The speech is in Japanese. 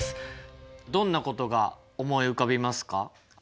どんなことが思い浮かびますか？